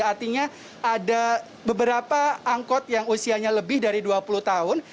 artinya ada beberapa angkot yang usianya lebih dari dua puluh tahun